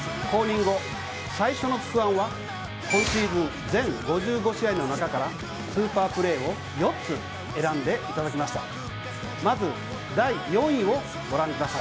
公認後、最初の「つくワン」は今シーズン５５試合の中からスーパープレーを４つ選んでいただきました。